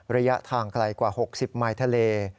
ระยะทางไกลกว่า๖๐มายทะเล